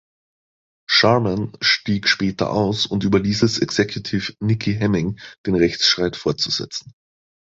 Sharman stieg später aus und überließ es Executive Nikki Hemming, den Rechtsstreit fortzusetzen.